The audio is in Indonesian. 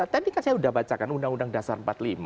tadi kan saya sudah bacakan undang undang dasar empat puluh lima